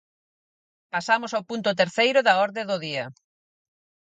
Pasamos ao punto terceiro da orde do día.